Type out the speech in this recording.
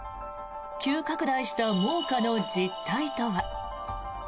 急拡大した猛火の実態とは。